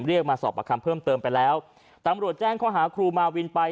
เรียกมาสอบประคำเพิ่มเติมไปแล้วตำรวจแจ้งข้อหาครูมาวินไป